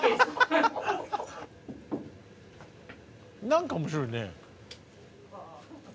何か面白いね。